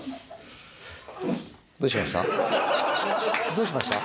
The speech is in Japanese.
どうしました？